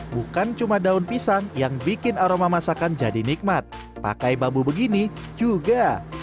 bukan cuma daun pisang yang bikin aroma masakan jadi nikmat pakai bambu begini juga